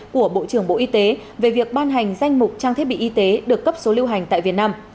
của bộ trưởng bộ y tế về việc ban hành danh mục trang thiết bị y tế được cấp số lưu hành tại việt nam